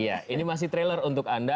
iya ini masih trailer untuk anda